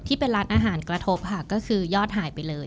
ที่เป็นร้านอาหารกระทบค่ะก็คือยอดหายไปเลย